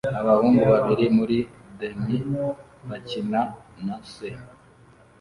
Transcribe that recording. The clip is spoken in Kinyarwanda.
Abahungu babiri muri denim bakina na s